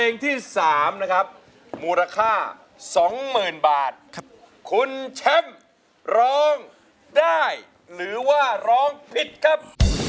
๓นะครับมูลค่า๒๐๐๐๐บาทคุณเช็มร้องได้หรือว่าร้องผิดครับ